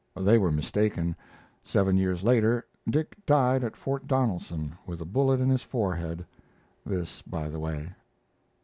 They were mistaken; seven years later Dick died at Fort Donelson with a bullet in his forehead: this, by the way.